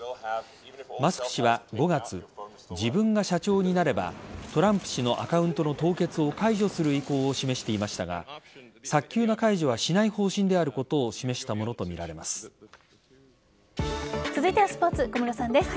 マスク氏は５月自分が社長になればトランプ氏のアカウントの凍結を解除する意向を示していましたが早急な解除はしない方針であることを続いてはスポーツ小室さんです。